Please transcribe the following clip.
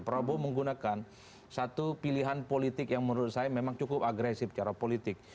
prabowo menggunakan satu pilihan politik yang menurut saya memang cukup agresif secara politik